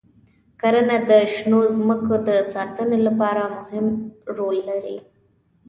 کرنه د شنو ځمکو د ساتنې لپاره مهم رول لري.